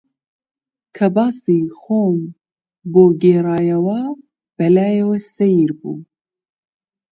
کە باسی خۆم بۆ گێڕایەوە، بە لایەوە سەیر بوو